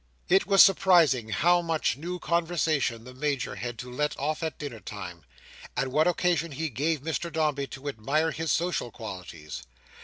It was surprising how much new conversation the Major had to let off at dinner time, and what occasion he gave Mr Dombey to admire his social qualities.